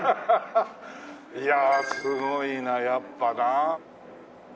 いやあすごいなやっぱな。